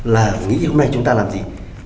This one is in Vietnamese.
là nghĩ hôm nay chúng ta làm gì